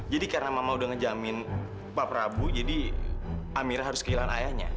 jadi karena mama sudah menjamin pak prabu jadi amira harus kehilangan ayahnya